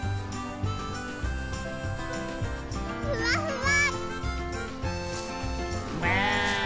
ふわふわ。